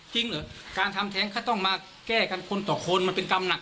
จริงเหรอการทำแท้งเขาต้องมาแก้กันคนต่อคนมันเป็นกรรมหนัก